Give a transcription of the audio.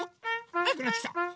はやくなってきた！